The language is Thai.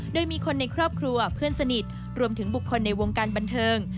โดยมีคนในครอบครัวเพื่อนสนิทรวมถึงบุคคลในวงการบันเทิง